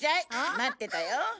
待ってたよ。